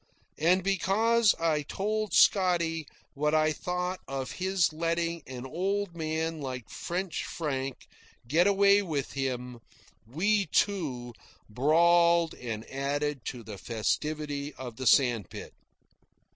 And because I told Scotty what I thought of his letting an old man like French Frank get away with him, we, too, brawled and added to the festivity of the sandspit.